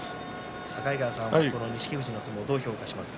境川さんは錦富士の相撲をどう見ますか？